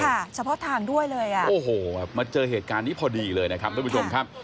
เฉพาะทางด้วยเลยอ่ะโอ้โหมาเจอเหตุการณ์นี้พอดีเลยนะครับทุกผู้ชมครับ